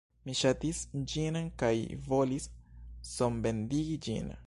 Mi ŝatis ĝin kaj volis sonbendigi ĝin.